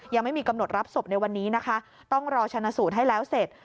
ยังไม่มีกำหนดรับศพในวันนี้นะคะต้องรอชนะสูตรให้แล้วเสร็จ